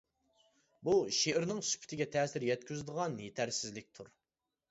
بۇ شېئىرنىڭ سۈپىتىگە تەسىر يەتكۈزىدىغان يېتەرسىزلىكتۇر.